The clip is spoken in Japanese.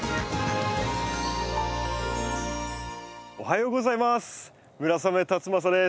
おはようございます！